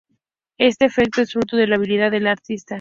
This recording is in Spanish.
Este efecto es fruto de la habilidad del artista.